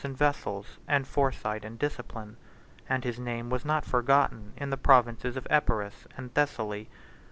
Bohemond had arms and vessels, and foresight and discipline; and his name was not forgotten in the provinces of Epirus and Thessaly.